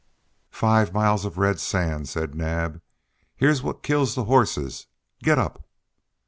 "Five miles of red sand," said Naab. "Here's what kills the horses. Getup."